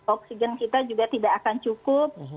oksigen kita juga tidak akan cukup